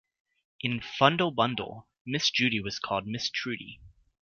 In "Fundle Bundle", Miss Judy was called Miss Trudy.